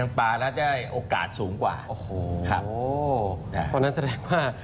ลิงปลาแล้วได้โอกาสสูงกว่าโอ้โหครับโอ้โหคราวนั้นแสดงว่า